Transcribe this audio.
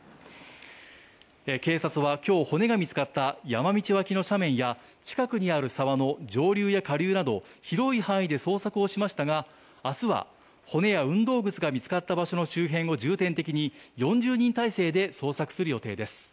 警察は今日、骨が見つかった山道脇の斜面や近くにある沢の上流や下流など広い範囲で捜索をしましたが明日は骨や運動靴が見つかった場所の周辺を重点的に４０人体制で捜索する予定です。